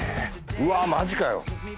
うわっマジかよ